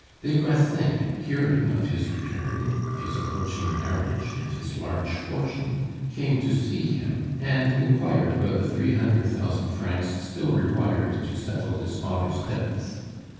Des Grassins, hearing of his return, of his approaching marriage and his large fortune, came to see him, and inquired about the three hundred thousand francs still required to settle his father's debts.